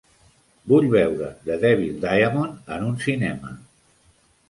Vull veure The Devil Diamond en un cinema.